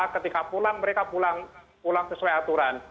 ketika pulang mereka pulang sesuai aturan